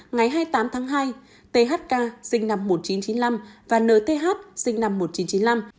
ngày hai mươi tám tháng hai thk sinh năm một nghìn chín trăm chín mươi năm và nhth sinh năm một nghìn chín trăm chín mươi năm